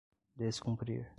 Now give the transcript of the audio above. descumprir